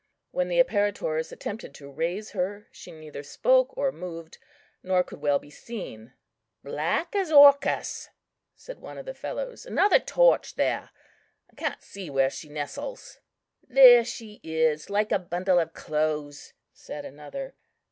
When the apparitors attempted to raise her, she neither spoke or moved, nor could well be seen. "Black as Orcus," said one of the fellows, "another torch there! I can't see where she nestles." "There she is, like a bundle of clothes," said another.